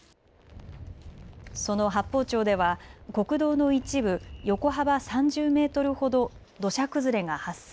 その八峰町では国道の一部、横幅３０メートルほど土砂崩れが発生。